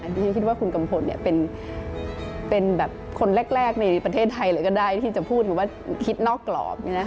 ผมคิดว่าคุณกัมพลเป็นคนแรกในประเทศไทยที่จะพูดว่าคิดนอกกรอบ